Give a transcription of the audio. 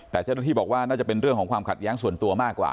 แต่เจ้าหน้าที่บอกว่าน่าจะเป็นเรื่องของความขัดแย้งส่วนตัวมากกว่า